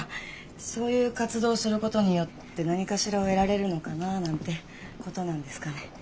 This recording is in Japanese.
そういう活動をすることによって何かしらを得られるのかななんてことなんですかね。